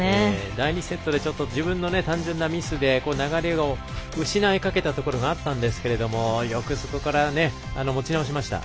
第２セットで自分の単純なミスで流れを失いかけたところがあったんですがよくそこから持ち直しました。